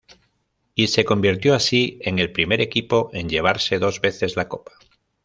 Y se convirtió así en el primer equipo en llevarse dos veces la copa.